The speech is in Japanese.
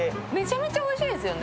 めっちゃおいしいですよね。